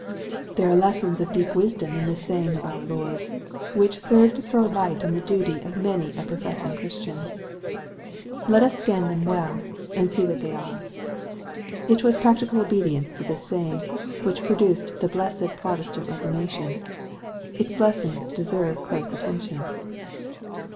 There are lessons of deep wisdom in this saying of our Lord, which serve to throw light on the duty of many a professing Christian. Let us scan them well, and see what they are. It was practical obedience to this saying which produced the blessed Protestant Reformation. Its lessons deserve close attention.